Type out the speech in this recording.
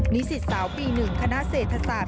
นิสิตสาวปี๑คณะเศรษฐศาสต